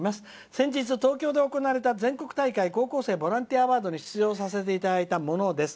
先日、東京で行われた高校生ボランティア・アワードに出演させていただいたものです。